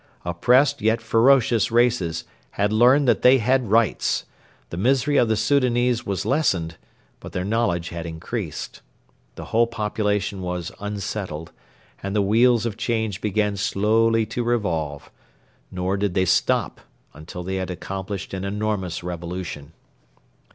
Oppressed yet ferocious races had learned that they had rights; the misery of the Soudanese was lessened, but their knowledge had increased. The whole population was unsettled, and the wheels of change began slowly to revolve; nor did they stop until they had accomplished an enormous revolution.